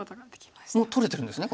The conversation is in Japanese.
もう取れてるんですね